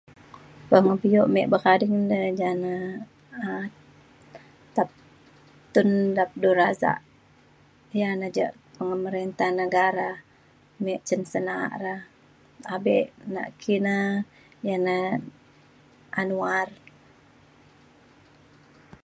pemebio bek me ading dei ja na um ka-Tun Abdul Razak. ya nak jak pemerinta negara me cin sen na’an ra. abe nakina ya na Anwar.